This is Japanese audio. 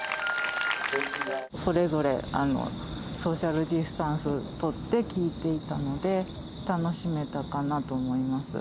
それぞれソーシャルディスタンス取って聴いていたので、楽しめたかなと思います。